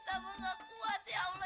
tetap nggak kuat ya allah